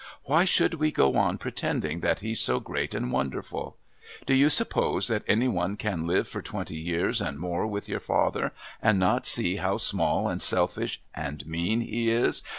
Why should we go on pretending that he's so great and wonderful? Do you suppose that any one can live for twenty years and more with your father and not see how small and selfish and mean he is?